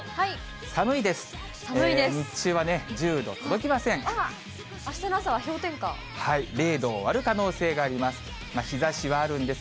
寒いです。